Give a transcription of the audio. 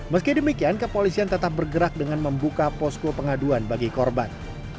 meski demikian kepolisian tetap bergerak dengan membuka posko pengaduan bagi korban